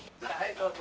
どうぞ。